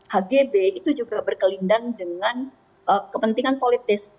hgb itu juga berkelindang dengan kepentingan politis